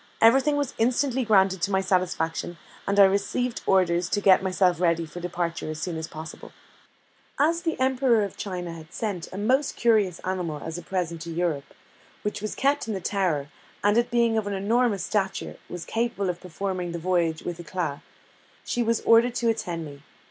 Everything was instantly granted to my satisfaction, and I received orders to get myself ready for departure as soon as possible. As the Emperor of China had sent a most curious animal as a present to Europe, which was kept in the Tower, and it being of an enormous stature, and capable of performing the voyage with éclat, she was ordered to attend me.